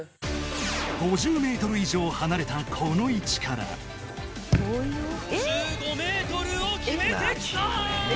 ５０ｍ以上離れたこの位置から５５ｍを決めてきた！